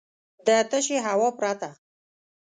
د تشې هوا پرته .